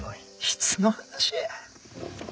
いつの話や。